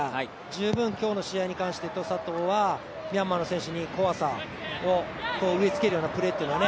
十分今日の試合に貢献して佐藤はミャンマーの選手に怖さを植え付けるようなプレーっていうのを